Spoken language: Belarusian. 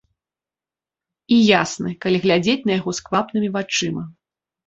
І ясны, калі глядзець на яго сквапнымі вачыма.